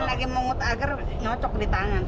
lagi mengut agar nocok di tangan